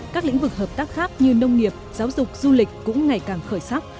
các lĩnh vực hợp tác khác như nông nghiệp giáo dục du lịch cũng ngày càng khởi sắc